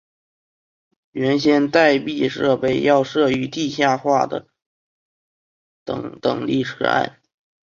原先待避设备要设于地下化的等等力站。